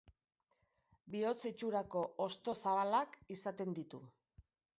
Bihotz-itxurako hosto zabalak izaten ditu.